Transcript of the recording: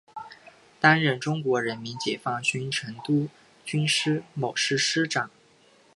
曾担任中国人民解放军成都军区某师师长。